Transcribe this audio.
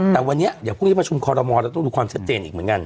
แต่วันนี้เดี๋ยวพรุ่งนี้ประชุมคอรมอลเราต้องดูความชัดเจนอีกเหมือนกัน